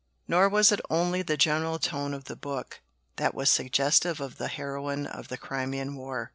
" Nor was it only the general tone of the book that was suggestive of the heroine of the Crimean War.